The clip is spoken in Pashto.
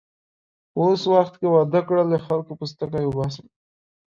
په اوس وخت کې واده کړل، له خلکو پوستکی اوباسي.